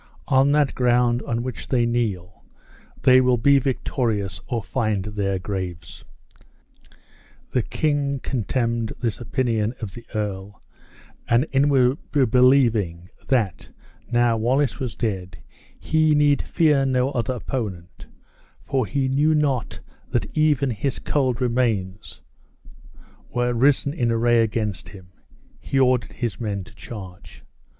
On that ground on which they kneel, they will be victorious or find their graves." The king contemned this opinion of the earl, and inwardly believing that, now Wallace was dead, he need fear no other opponent (for he knew not that even his cold remains were risen in array against him), he ordered his men to charge.